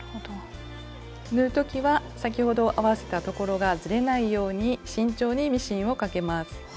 縫う時は先ほど合わせたところがずれないように慎重にミシンをかけます。